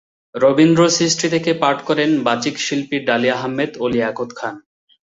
রবীন্দ্র সৃষ্টি থেকে পাঠ করেন বাচিকশিল্পী ডালিয়া আহমেদ ও লিয়াকত খান।